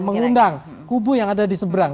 mengundang kubu yang ada di seberang